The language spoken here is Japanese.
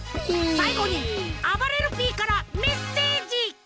さいごにあばれるＰからメッセージ！